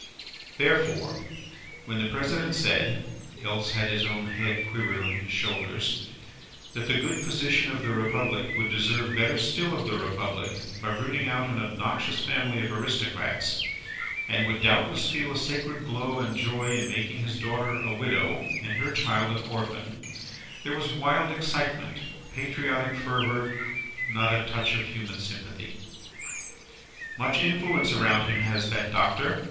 Therefore when the President said (else had his own head quivered on his shoulders), that the good physician of the Republic would deserve better still of the Republic by rooting out an obnoxious family of Aristocrats, and would doubtless feel a sacred glow and joy in making his daughter a widow and her child an orphan, there was wild excitement, patriotic fervour, not a touch of human sympathy. "Much influence around him, has that Doctor?"